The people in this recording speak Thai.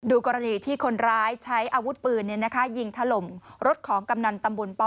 กรณีที่คนร้ายใช้อาวุธปืนยิงถล่มรถของกำนันตำบลป